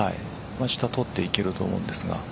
下を通っていけると思うんですが。